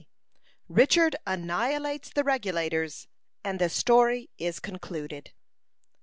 RICHARD ANNIHILATES THE REGULATORS, AND THE STORY IS CONCLUDED.